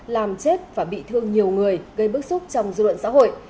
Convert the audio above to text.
làm chết và bị thương nhiều người gây bức xúc trong dư luận xã hội